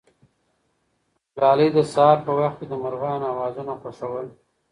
ګلالۍ د سهار په وخت کې د مرغانو اوازونه خوښول.